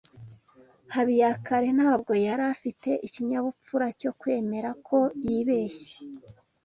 Habiyakare ntabwo yari afite ikinyabupfura cyo kwemera ko yibeshye.